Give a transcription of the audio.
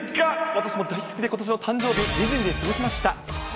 私も大好きでことしの誕生日、ディズニーで過ごしました。